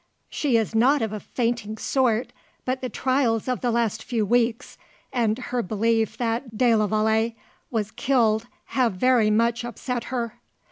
She is not of a fainting sort, but the trials of the last few weeks, and her belief that de la Vallee was killed, have very much upset her."